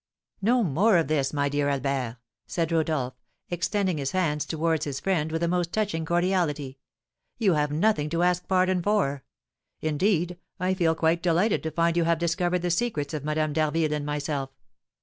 "No more of this, my dear Albert," said Rodolph, extending his hands towards his friend with the most touching cordiality; "you have nothing to ask pardon for. Indeed, I feel quite delighted to find you have discovered the secrets of Madame d'Harville and myself.